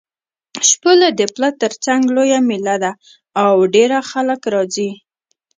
شپوله د پله تر څنګ لویه مېله ده او ډېر خلک راځي.